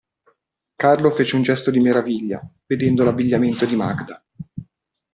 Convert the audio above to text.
Carlo fece un gesto di meraviglia, vedendo l'abbigliamento di Magda.